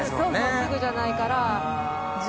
すぐじゃないから。